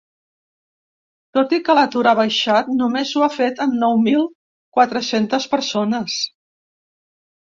Tot i que l’atur ha baixat, només ho ha fet en nou mil quatre-centes persones.